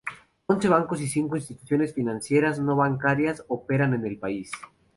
Once bancos y cinco instituciones financieras no bancarias operan en el país.